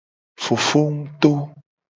Fofowu to.